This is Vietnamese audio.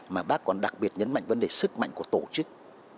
mà bác còn đặc biệt nhấn mạnh vấn đề sức mạnh của tổ chức